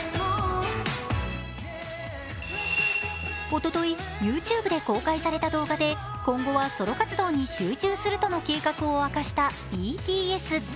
おととい、ＹｏｕＴｕｂｅで公開された動画で今後はソロ活動に集中するとの計画を明かしたＢＴＳ。